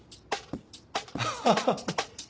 アハハハ。